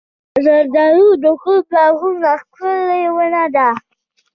زردالو د کور باغونو ښکلې ونه ده.